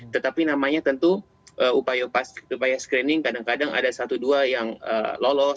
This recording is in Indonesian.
tetapi namanya tentu upaya screening kadang kadang ada satu dua yang lolos